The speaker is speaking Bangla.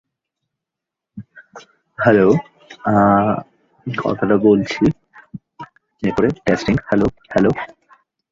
তাঁদের যুক্তরাষ্ট্রের নর্দার্ন ক্যালিফোর্নিয়া অঞ্চলে গোমেন্টাম স্টেশন নামের একটি সুবিশাল মাঠ রয়েছে।